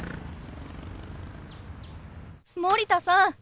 森田さん